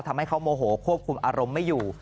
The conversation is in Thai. ทำให้เขาโมโหควบคุมอารมณ์ไม่อยู่